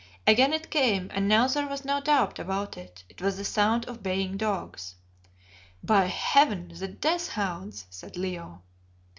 Again it came, and now there was no doubt about it. It was the sound of baying dogs. "By heaven! the death hounds," said Leo.